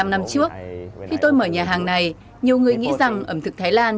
một mươi một mươi năm năm trước khi tôi mở nhà hàng này nhiều người nghĩ rằng ẩm thực thái lan